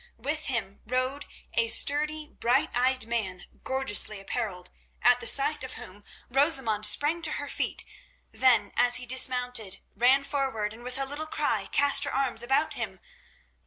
With him rode a sturdy, bright eyed man gorgeously apparelled, at the sight of whom Rosamund sprang to her feet; then, as he dismounted, ran forward and with a little cry cast her arms about him.